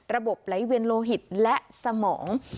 ไหลเวียนโลหิตและสมอง